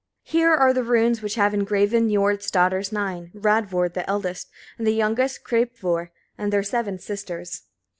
79. Here are runes which have engraven Niord's daughters nine, Radvor the eldest, and the youngest Kreppvor, and their seven sisters.